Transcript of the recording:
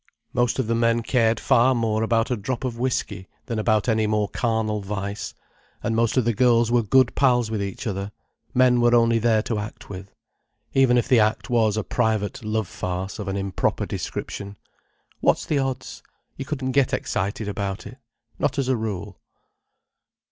Most of the men cared far more about a drop of whiskey than about any more carnal vice, and most of the girls were good pals with each other, men were only there to act with: even if the act was a private love farce of an improper description. What's the odds? You couldn't get excited about it: not as a rule.